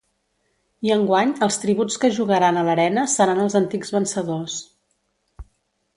I enguany els tributs que jugaran a l'arena seran els antics vencedors.